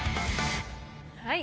はい。